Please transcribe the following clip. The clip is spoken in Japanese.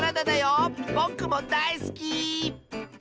ぼくもだいすき！